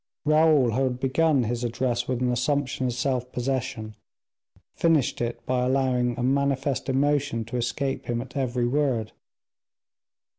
Raoul, who had begun his address with an assumption of self possession, finished it by allowing a manifest emotion to escape him at every word.